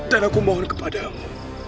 dan aku mohon kepadamu